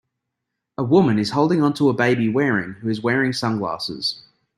A woman is holding onto a baby wearing who is wearing sunglasses.